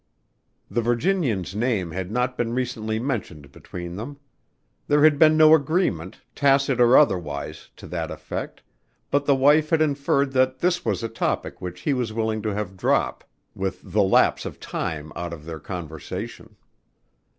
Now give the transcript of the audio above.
The Virginian's name had not been recently mentioned between them. There had been no agreement, tacit or otherwise, to that effect, but the wife had inferred that this was a topic which he was willing to have drop with the lapse of time out of their conversation.